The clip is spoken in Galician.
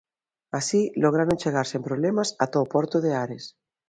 Así lograron chegar sen problemas ata o porto de Ares.